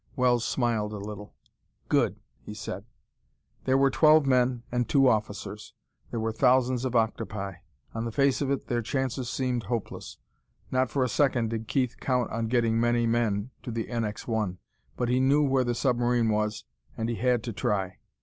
Wells smiled a little. "Good!" he said. There were twelve men and two officers. There were thousands of octopi. On the face of it, their chances seemed hopeless. Not for a second did Keith count on getting many men to the NX 1. But he knew where the submarine was, and he had to try.